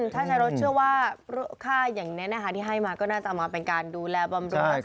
ถ้าชัยรถเชื่อว่าค่าอย่างแน่ที่ให้มาก็น่าจะมาเป็นการดูแลบำรวจ